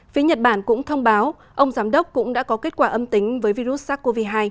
phía nhật bản cũng thông báo ông giám đốc cũng đã có kết quả âm tính với virus sars cov hai